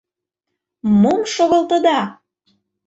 Мом шогылтыда?!